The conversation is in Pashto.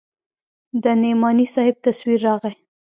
د نعماني صاحب تصوير راغى.